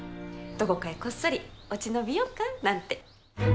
どこかへこっそり落ち延びようかなんて。